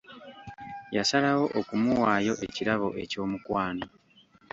Yasalawo okumuwaayo ekirabo eky'omukwano.